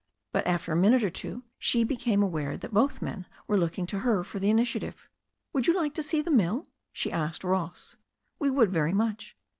But after a minute or two she became aware that both men were looking to her for the initiative. "Would you like to see the mill?" she asked Ross. "We would very much."